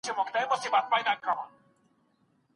ټولنیزې اړیکې جوړې کړئ.